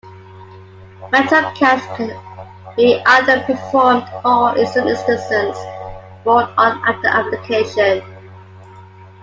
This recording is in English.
Metal caps can be either preformed or in some instances, rolled on after application.